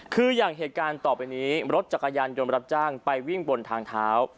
คืออย่างเหตุการณ์ต่อไปนี้รถจักรยานยนต์รับจ้างไปวิ่งบนทางเท้า